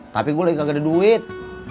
tapi gue lagi kagak ada duit